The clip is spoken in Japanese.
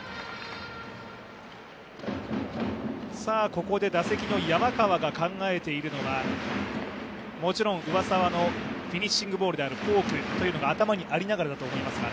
ここで打席の山川が考えているのは、もちろん上沢のフィニッシングボールのフォークが頭にありながらだと思いますが。